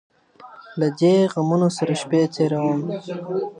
له دې غمـونـو ســـره شــپــې تــېــــروم